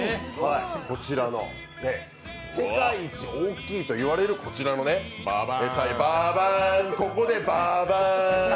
こちらの世界一大きいと言われるこちらのババーン、ここでババーン！